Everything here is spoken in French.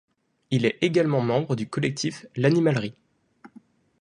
Il est également membre du collectif L'Animalerie.